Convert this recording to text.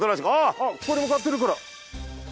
ここに向かってるから。